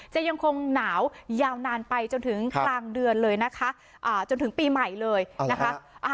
ยังคงหนาวยาวนานไปจนถึงกลางเดือนเลยนะคะจนถึงปีใหม่เลยนะคะ